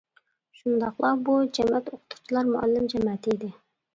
شۇنداقلا بۇ جەمەت ئوقۇتقۇچىلار، مۇئەللىم جەمەتى ئىدى.